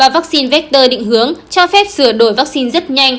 vaccine vector định hướng cho phép sửa đổi vaccine rất nhanh